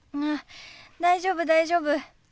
あ大丈夫大丈夫。